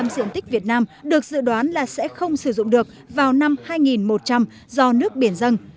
năm diện tích việt nam được dự đoán là sẽ không sử dụng được vào năm hai nghìn một trăm linh do nước biển dân